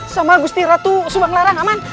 sama gusti ratu subang larang aman